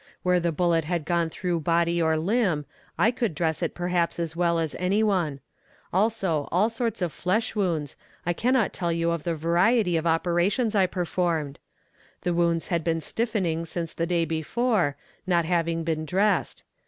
Where the bullet had gone through body or limb, I could dress it perhaps as well as any one; also, all sorts of flesh wounds. I cannot tell you of the variety of operations I performed. The wounds had been stiffening since the day before, not having been dressed.